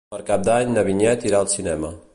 Per Cap d'Any na Vinyet irà al cinema.